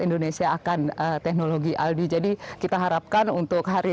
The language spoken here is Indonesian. indonesia akan teknologi aldi jadi kita harapkan untuk hari